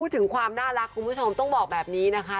ถึงความน่ารักคุณผู้ชมต้องบอกแบบนี้นะคะ